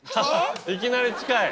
いきなり近い。